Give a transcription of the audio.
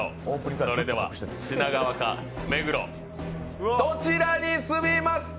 それでは品川か目黒、どちらに住みますか！